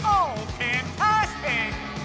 ファンタスティック！